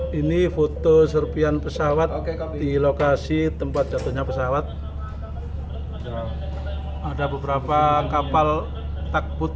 hai ini foto serpian pesawat oke kapi lokasi tempat jatuhnya pesawat ada beberapa kapal takbut